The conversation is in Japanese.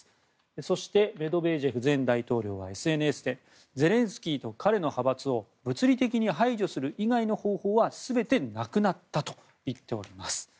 そしてメドベージェフ前大統領はＳＮＳでゼレンスキーと彼の派閥を物理的に排除する以外の方法は全てなくなったと言っております。